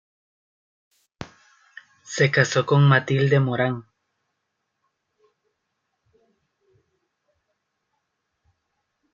Se casó con Matilde Morán.